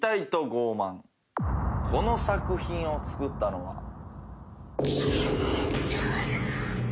この作品を作ったのは。